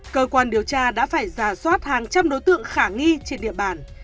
cơ quan điều tra đã phải giả soát hàng trăm đối tượng khả nghi trên địa bàn